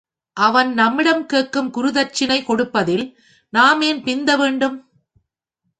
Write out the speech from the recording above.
அவன் நம்மிடம் கேட்கும் குருதக்ஷிணை கொடுப்பதில் நாம் ஏன் பிந்த வேண்டும்?